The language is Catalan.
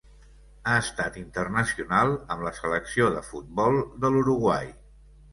Ha estat internacional amb la selecció de futbol de l'Uruguai.